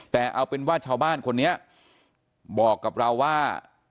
แต่เอาเป็นว่าชาวบ้านคนนี้บอกกับเราว่า